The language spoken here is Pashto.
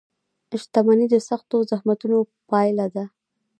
• شتمني د سختو زحمتونو پایله ده.